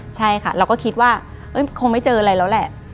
ใช่ค่ะเราก็คิดว่าคงไม่เจออะไรแล้วแหละ